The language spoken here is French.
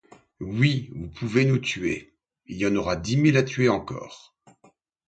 Oui, vous pouvez nous tuer, il y en aura dix mille à tuer encore.